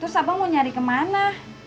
terus apa mau nyari kemana